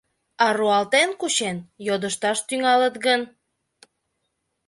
А руалтен кучен, йодышташ тӱҥалыт гын?